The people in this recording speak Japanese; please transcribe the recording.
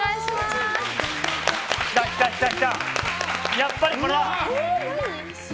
やっぱりこれだ！